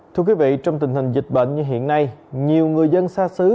thưa quý vị trong tình hình dịch bệnh như hiện nay nhiều người dân xa xứ